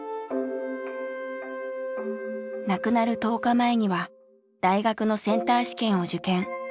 亡くなる１０日前には大学のセンター試験を受験。